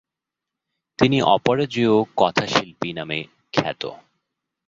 তিনি 'অপরাজেয় কথাশিল্পী' নামে খ্যাত।